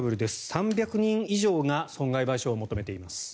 ３００人以上が損害賠償を求めています。